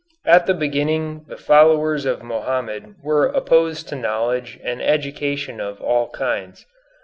At the beginning the followers of Mohammed were opposed to knowledge and education of all kinds.